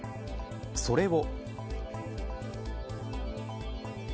それを。